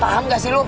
paham gak sih lu